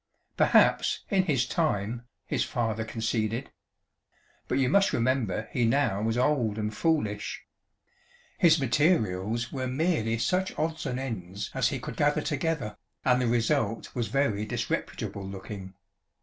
"Perhaps, in his time," his father conceded. "But you must remember he now was old and foolish. His materials were merely such odds and ends as he could gather together, and the result was very disreputable looking.